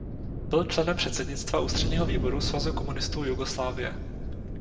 Byl členem předsednictva ústředního výboru Svazu komunistů Jugoslávie.